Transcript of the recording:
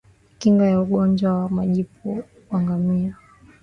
Kinga ya ugonjwa wa majipu kwa ngamia